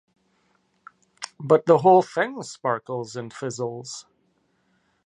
But the whole thing sparkles and fizzles.